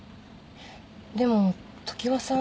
でも常葉さん